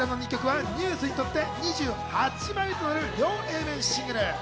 こちらの２曲はＮＥＷＳにとって、２８枚目となる両Ａ面シングル。